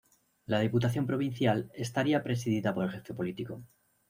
La Diputación Provincial estaría presidida por el Jefe Político.